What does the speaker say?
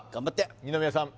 二宮さん